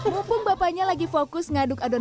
mumpung bapaknya lagi fokus ngaduk adonan